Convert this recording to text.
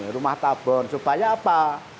rumah tabon supaya apa